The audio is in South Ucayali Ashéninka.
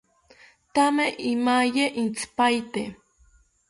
Thame amaye intzipaete